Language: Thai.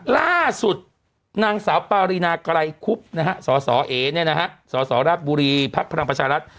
ล่าสุดนางสาวปรินากรัยคุบสอสอเอกเนี่ยนะฮะสอสอรัฐบุรีพลังประชารัฐ